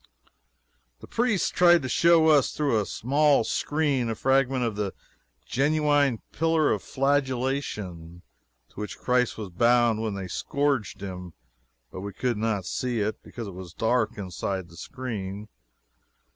The priests tried to show us, through a small screen, a fragment of the genuine Pillar of Flagellation, to which Christ was bound when they scourged him. But we could not see it, because it was dark inside the screen.